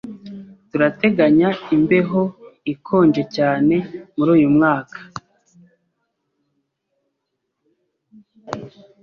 Turateganya imbeho ikonje cyane muri uyu mwaka.